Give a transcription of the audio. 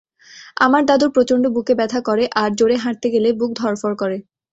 আমার দাদুর প্রচন্ড বুকে ব্যথা করে আর জোরে হাঁটতে গেলে বুক ধরফর করে।